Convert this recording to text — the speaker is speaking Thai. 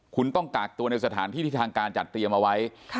คุณต้องกากตัวในสถานที่ที่ทางการจัดเตรียมเอาไว้